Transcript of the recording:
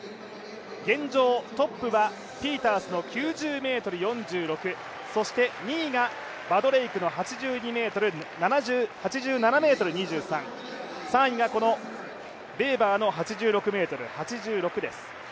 現状、トップはピータースの９０ｍ４６、そして２位がバドレイクの８７ｍ２３、３位がこのべーバーの８６ｍ８６です。